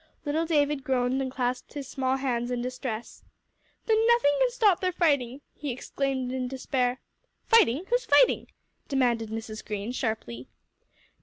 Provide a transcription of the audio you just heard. Little David groaned and clasped his small hands in distress. "Then nothing can stop their fighting?" he exclaimed in despair. "Fighting? Who's fighting?" demanded Mrs. Green, sharply.